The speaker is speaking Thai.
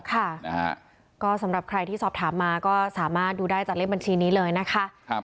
ค่ะนะฮะก็สำหรับใครที่สอบถามมาก็สามารถดูได้จากเลขบัญชีนี้เลยนะคะ